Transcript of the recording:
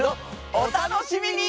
お楽しみに！